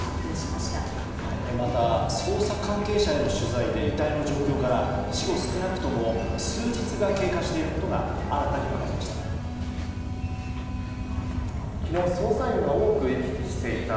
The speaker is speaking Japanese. また捜査関係者への取材で遺体の状況から死後少なくとも数日が経過していることが新たに分かりました。